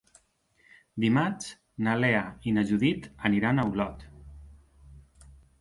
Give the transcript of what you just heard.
Dimarts na Lea i na Judit aniran a Olot.